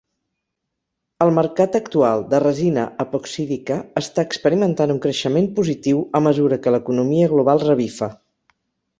El mercat actual de resina epoxídica està experimentant un creixement positiu a mesura que l'economia global revifa.